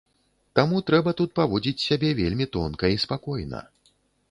Таму трэба тут паводзіць сябе вельмі тонка і спакойна.